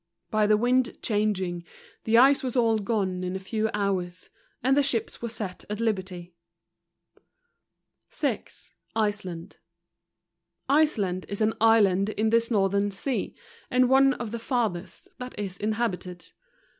By the wind changing, the ice was all gone in a few' hours, and the ships were set at liberty. 6 . Iceland . Iceland is an island in this northern sea, and one of the farthest that is inhabited.